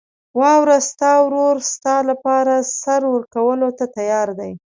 واوره، ستا ورور ستا لپاره سر ورکولو ته تیار دی.